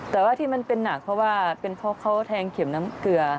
แต่ว่าที่มันเป็นหนักเพราะว่าเป็นเพราะเขาแทงเข็มน้ำเกลือ